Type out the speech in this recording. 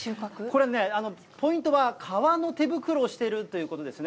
これね、ポイントは革の手袋をしているということですね。